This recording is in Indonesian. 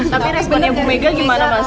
tapi responnya ibu mega gimana mas